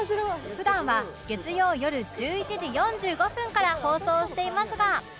普段は月曜よる１１時４５分から放送していますが